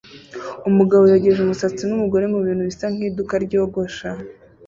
Umugabo yogeje umusatsi numugore mubintu bisa nkiduka ryogosha